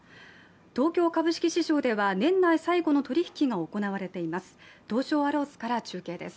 東京株式市場では年内最後の取引が行われています。